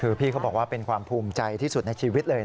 คือพี่เขาบอกว่าเป็นความภูมิใจที่สุดในชีวิตเลย